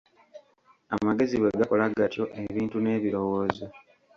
Amagezi bwe gakola gatyo ebintu n'ebirowoozo.